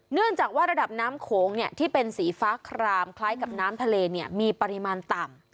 เนื่องจากว่าระดับน้ำโขงที่เป็นสีฟ้าครามคล้ายกับน้ำทะเลมีปริมาณต่ำ